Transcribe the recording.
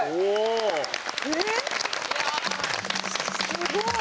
すごい。